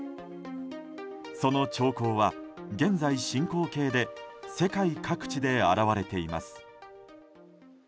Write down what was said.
その兆候は現在進行形で世界各地で現れています。